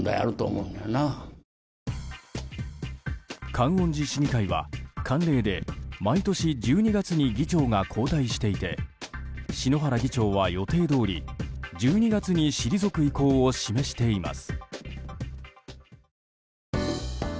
観音寺市議会は慣例で毎年１２月に議長が交代していて篠原議長は予定どおり、１２月に退く意向を示しています。